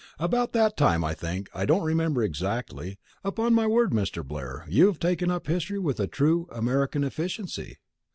"About that time, I think. I don't remember exactly. Upon my word, Mr. Blair, you have taken up history with true American efficiency!